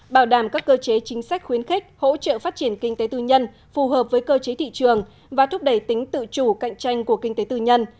bảo đảm các cơ chế chính sách khuyến khích hỗ trợ phát triển kinh tế tư nhân phù hợp với cơ chế thị trường và thúc đẩy tính tự chủ cạnh tranh của kinh tế tư nhân